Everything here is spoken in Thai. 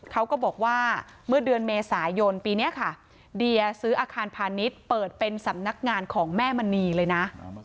เขาก็บอกว่าเมื่อเดือนเมษายนปีนี้ค่ะเดียซื้ออาคารพาณิชย์เปิดเป็นสำนักงานของแม่มณีเลยนะ